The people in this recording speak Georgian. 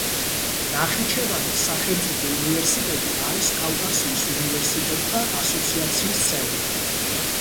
ნახიჩევანის სახელმწიფო უნივერსიტეტი არის კავკასიის უნივერსიტეტთა ასოციაციის წევრი.